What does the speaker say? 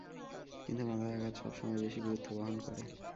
কিন্তু মাথায় আঘাত সব সময় বেশি গুরুত্ব বহন করে।